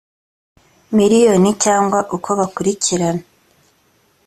miliyoni cyangwa uko bakurikirana